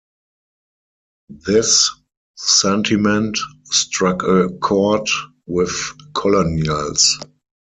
This sentiment struck a chord with colonials.